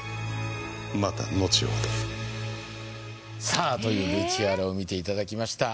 さあというＶＴＲを見ていただきました